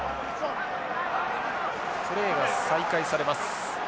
プレーが再開されます。